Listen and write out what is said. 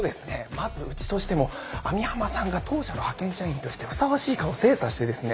まずうちとしても網浜さんが当社の派遣社員としてふさわしいかを精査してですね。